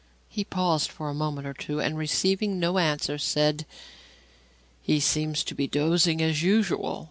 He paused for a moment or two, and, receiving no answer, said: "He seems to be dozing as usual.